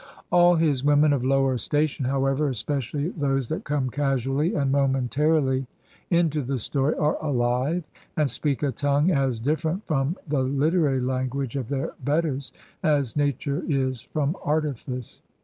All his women of lower station, however, especially those that come casually and momentarily into the story, are alive, and speak a tongue as differ ent from the literary language of their betters as nature is from artifice.